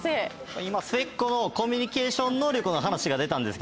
末っ子のコミュニケーション能力の話が出たんですけれども。